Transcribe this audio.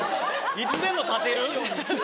いつでも立てるように。